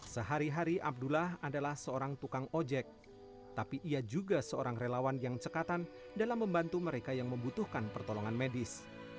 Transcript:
sehari hari abdullah adalah seorang tukang ojek tapi ia juga seorang relawan yang cekatan dalam membantu mereka yang membutuhkan pertolongan medis